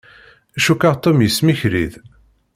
Cukkeɣ Tom yesmikriḍ.